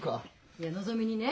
いやのぞみにね